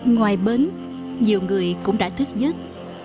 ngoài bến nhiều người cũng đã thức giấc